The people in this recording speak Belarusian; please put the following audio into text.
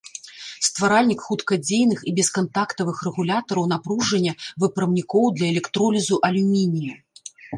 Стваральнік хуткадзейных і бескантактавых рэгулятараў напружання выпрамнікоў для электролізу алюмінія.